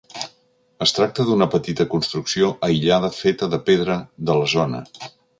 Es tracta d'una petita construcció aïllada feta de pedra de la zona.